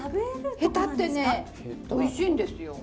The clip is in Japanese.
ヘタってねおいしいんですよ。